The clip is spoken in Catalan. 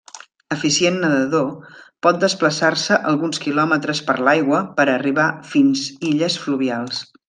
Eficient nedador, pot desplaçar-se alguns quilòmetres per l'aigua per arribar fins illes fluvials.